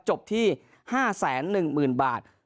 จบที่๕แสน๑หมื่นบาท